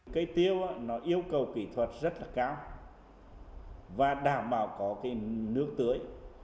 cây tiêu nó yêu cầu kỹ thuật rất là cao và đảm bảo có cái nước tưới